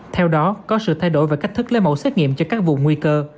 theo đó có sự thay đổi về cách thức lấy mẫu xét nghiệm cho các vùng nguy cơ